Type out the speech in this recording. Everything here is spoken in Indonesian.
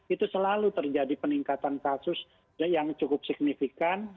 itu selalu terjadi peningkatan kasus yang cukup signifikan